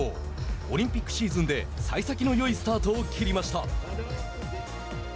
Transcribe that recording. オリンピックシーズンでさい先のよいスタートを切りました。